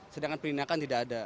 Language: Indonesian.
sedangkan penindakan tidak